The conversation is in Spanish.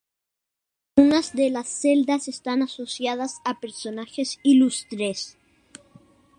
Algunas de las celdas están asociadas a personajes ilustres.